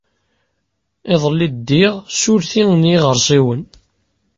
Iḍelli ddiɣ s urti n yiɣersiwen.